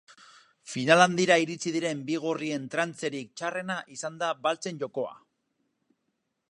Final handira iritsi diren bi gorrien trantzerik txarrena izan da baltsen jokoa.